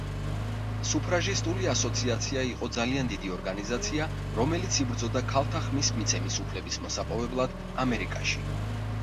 სუფრაჟისტული ასოციაცია იყო ძალიან დიდი ორგანიზაცია, რომელიც იბრძოდა ქალთა ხმის მიცემის უფლების მოსაპოვებლად ამერიკაში.